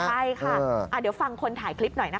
ใช่ค่ะเดี๋ยวฟังคนถ่ายคลิปหน่อยนะคะ